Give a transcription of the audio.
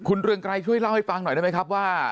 คุณเรืองไกรช่วยเล่าให้ฟังหน่อยได้ไหมครับว่า